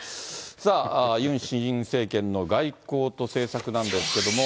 さあ、ユン新政権の外交と政策なんですけれども。